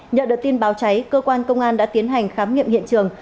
nhận được tin báo cháy cơ quan công an đã tiến hành khám nghiệm hiện trường